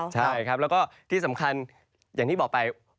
ใช่ครับแล้วก็ที่สำคัญอย่างที่บอกไป